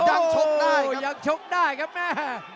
ชกได้ยังชกได้ครับแม่